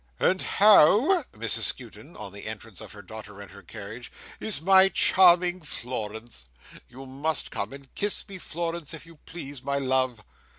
"And how," said Mrs Skewton, on the entrance of her daughter and her charge, "is my charming Florence? You must come and kiss me, Florence, if you please, my love."